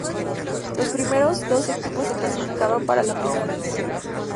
Los primeros dos equipos se clasificaban para la primera división.